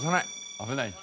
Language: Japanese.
危ない。